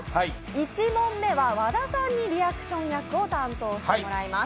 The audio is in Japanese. １問目は和田さんにリアクション役を担当していただきます。